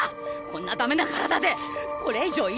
こんなダメな体でこれ以上うう！